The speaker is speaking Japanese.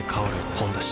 「ほんだし」